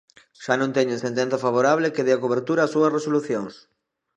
Xa non teñen sentenza favorable que dea cobertura ás súas resolucións.